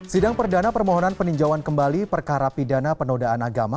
sidang perdana permohonan peninjauan kembali perkara pidana penodaan agama